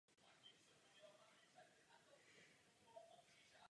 Na čem ale lidem záleží je čas.